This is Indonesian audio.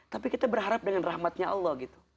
tapi kita berharap dengan rahmatnya allah gitu